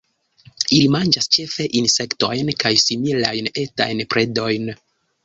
Ili manĝas ĉefe insektojn kaj similajn etajn predojn.